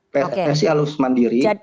pssi harus mandiri